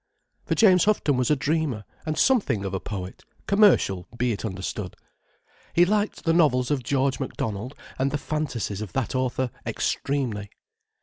For James Houghton was a dreamer, and something of a poet: commercial, be it understood. He liked the novels of George Macdonald, and the fantasies of that author, extremely.